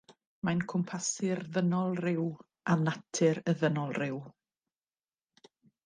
Mae'n cwmpasu'r ddynol ryw a natur y ddynol ryw.